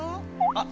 あっ。